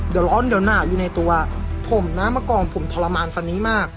เดี๋ยวร้อนเดี๋ยวหนาวอยู่ในตัวผมนะเมื่อก่อนผมทรมานฟันนี้มาก